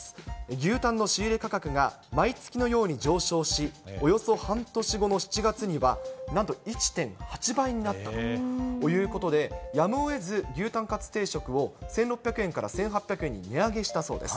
牛タンの仕入れ価格が毎月のように上昇し、およそ半年後の７月にはなんと１．８倍になったということで、やむをえず牛タンかつ定食を１６００円から１８００円に値上げしたそうです。